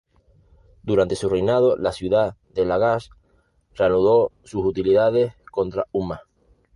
Durante su reinado, la ciudad de Lagash reanudó sus hostilidades contra Umma.